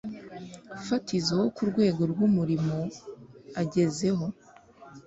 fatizo wo ku rwego rw’umurimo agezeho.